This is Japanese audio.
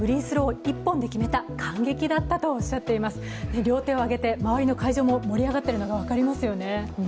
両手を挙げて、周の会場も盛り上がっているのが分かりますよね。